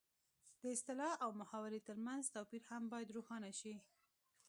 د اصطلاح او محاورې ترمنځ توپیر هم باید روښانه شي